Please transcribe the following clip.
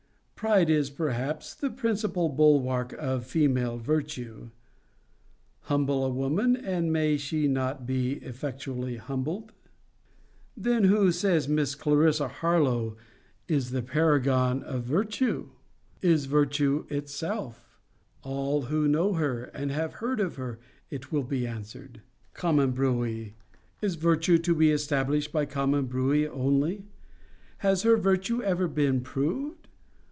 Pride is perhaps the principal bulwark of female virtue. Humble a woman, and may she not be effectually humbled? Then who says Miss Clarissa Harlowe is the paragon of virtue? Is virtue itself? All who know her, and have heard of her, it will be answered. Common bruit! Is virtue to be established by common bruit only? Has her virtue ever been proved?